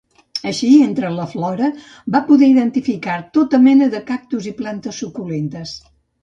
Així, entre la flora van poder identificar tota mena de cactus i plantes suculentes.